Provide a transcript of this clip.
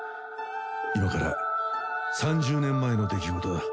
今から３０年前の出来事だ。